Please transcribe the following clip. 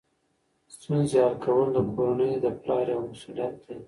ستونزې حل کول د کورنۍ د پلار یوه مسؤلیت ده.